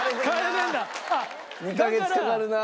２カ月かかるな。